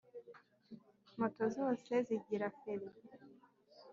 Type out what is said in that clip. Moto zose zigira feri